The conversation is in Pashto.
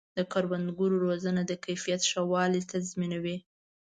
د کروندګرو روزنه د کیفیت ښه والی تضمینوي.